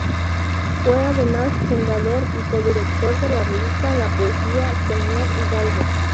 Fue además fundador y codirector de la revista "La Poesía, señor hidalgo".